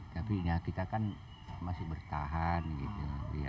tapi ya kita kan masih bertahan gitu